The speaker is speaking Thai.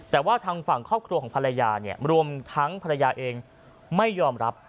แต่ว่าทางฝั่งครอบครัวของภรรยาเนี่ยรวมทั้งภรรยาเองไม่ยอมรับ